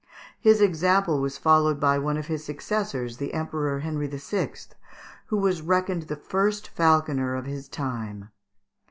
His example was followed by one of his successors, the Emperor Henry VI., who was reckoned the first falconer of his time.